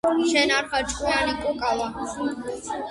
შენ არ ხარ ჭკვიანი კუკავა